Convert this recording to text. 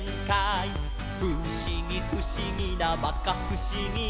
「ふしぎふしぎなまかふしぎ」